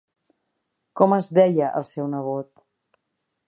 Com es deia el seu nebot?